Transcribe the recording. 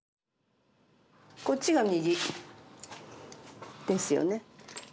こっちが右。ですよね？